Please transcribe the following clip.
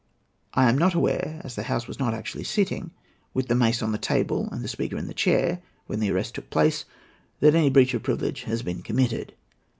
I am not aware, as the House was not actually sitting, with the mace on the table and the Speaker in the chair, when the arrest took place, that any breach of privilege has been committed.